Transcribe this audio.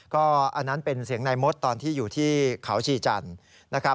ก็อันนั้นเป็นเสียงนายมดตอนที่อยู่ที่เขาชีจันทร์นะครับ